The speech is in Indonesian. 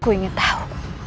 aku ingin tau